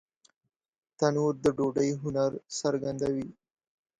تنور د ډوډۍ هنر څرګندوي